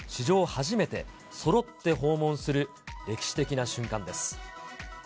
初めて、そろって訪問する歴史的な瞬間です。